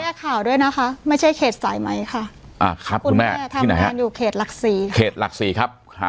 คุณแม่ข่าวด้วยนะฮะไม่ใช่เขตสายไหมค่ะคุณแม่ทำงานอยู่เขตหลัก๔เขตหลัก๔ครับ